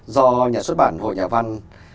do nhà xuất bản hội nhà văn